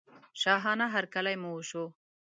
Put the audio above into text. شاهانه هرکلی مو وشو.